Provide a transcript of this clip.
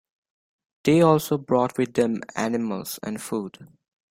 They also brought with them animals and food.